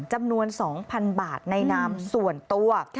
จำนวน๒๐๐๐บาทในนามส่วนตัว